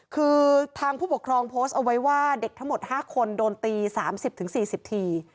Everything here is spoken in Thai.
คือทางผู้ปกครองโพสต์เอาไว้ว่าเด็กทั้งหมด๕คนโดนตี๓๐๔๐ที